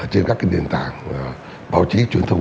trên các cái nền tảng báo chí truyền thông